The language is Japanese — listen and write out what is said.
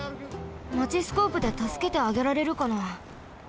マチスコープでたすけてあげられるかな？